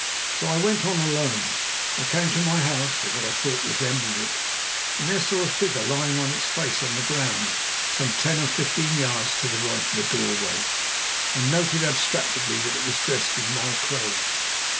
So I went on alone. I came to my house, or what I thought resembled it, and there saw a figure lying on its face on the ground some ten or fifteen yards to the right of the doorway, and noted abstractedly that it was dressed in my clothes.